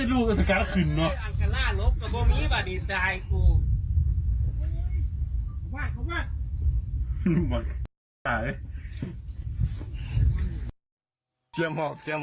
ลูกบัตตาย